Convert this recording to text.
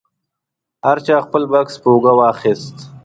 هر چا خپل بکس په اوږه واخیست.